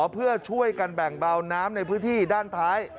เพื่อช่วยกันแบ่งเบาน้ำในพื้นที่ด้านท้าย